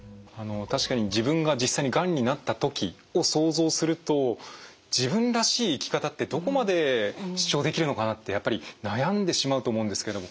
確かに自分が実際にがんになった時を想像すると自分らしい生き方ってどこまで主張できるのかなってやっぱり悩んでしまうと思うんですけども。